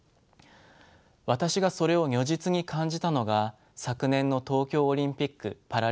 私がそれを如実に感じたのが昨年の東京オリンピック・パラリンピックです。